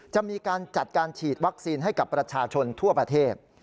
จะมีการจัดการฉีดวัคซีนให้กับประชาชนทั่วประเทศ